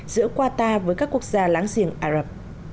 giữa qatar với các quốc gia láng giềng ả rập